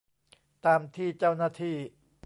ตามที่เจ้าหน้าที่